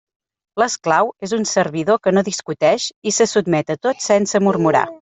L'esclau és un servidor que no discuteix i se sotmet a tot sense murmurar.